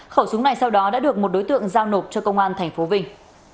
khẩu súng này sau đó đã được một đối tượng giao nộp cho công an tp vinh